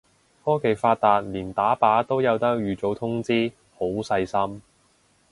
科技發達連打靶都有得預早通知，好細心